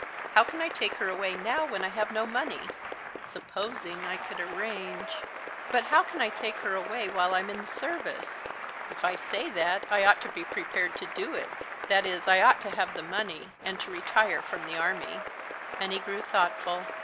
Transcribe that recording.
How can I take her away now, when I have no money? Supposing I could arrange.... But how can I take her away while I'm in the service? If I say that—I ought to be prepared to do it, that is, I ought to have the money and to retire from the army." And he grew thoughtful.